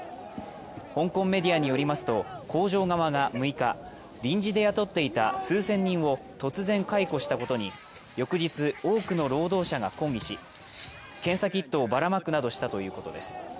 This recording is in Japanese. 香港メディアによりますと工場側が６日臨時で雇った数千人を突然解雇したことに翌日多くの労働者が抗議し検査キットをばらまくなどしたということです